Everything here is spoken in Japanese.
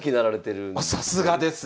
あさすがですね！